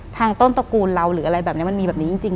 ต้นตระกูลเราหรืออะไรแบบนี้มันมีแบบนี้จริง